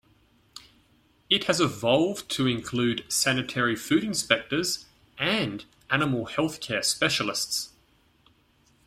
It has evolved to include sanitary food inspectors and animal healthcare specialists.